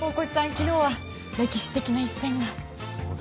昨日は歴史的な一戦が。